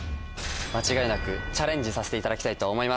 間違いなくチャレンジさせていただきたいと思います！